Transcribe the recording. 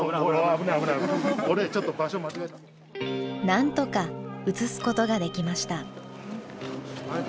なんとか移すことができました。